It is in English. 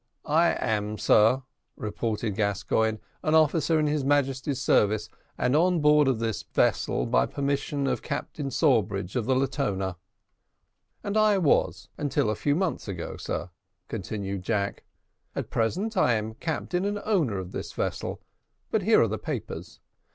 "I am, sir," retorted Gascoigne, "an officer in his Majesty's service, and on board of this vessel by permission of Captain Sawbridge of the Latona." "And I was, until a few months ago, sir," continued Jack; "at present I am captain and owner of this vessel but here are the papers.